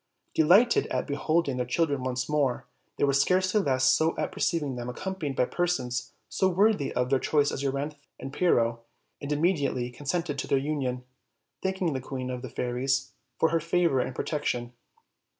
Delighted at beholding their children once more, they were scarcely less so at perceiving them accompanied by persons so worthy of their choice as Euryanthe and Pyrrho, and immediately consented to their union, thanking the Queen of the Fairies for her favor and protection.